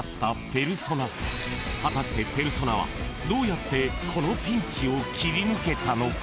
［果たしてペルソナはどうやってこのピンチを切り抜けたのか？］